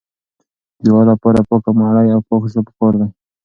د دعا لپاره پاکه مړۍ او پاک زړه پکار دی.